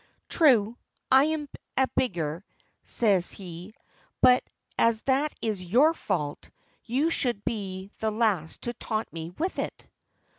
"True. I'm a bigger," says he, "but as that is your fault, you should be the last to taunt me with it."